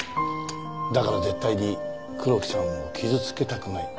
だから絶対に黒木さんを傷つけたくない。